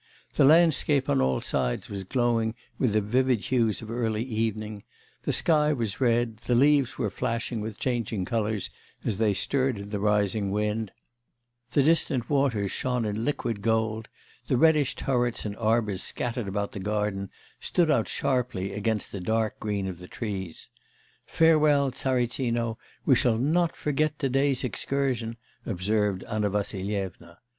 The landscape on all sides was glowing with the vivid hues of early evening; the sky was red, the leaves were flashing with changing colours as they stirred in the rising wind; the distant waters shone in liquid gold; the reddish turrets and arbours scattered about the garden stood out sharply against the dark green of the trees. 'Farewell, Tsaritsino, we shall not forget to day's excursion!' observed Anna Vassilyevna....